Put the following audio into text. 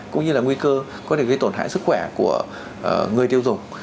cũng như là nguy cơ có thể gây tổn hại sức khỏe của người tiêu dùng